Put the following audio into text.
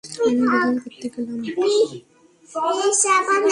আমি গোসল করতে গেলাম।